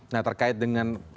nah terkait dengan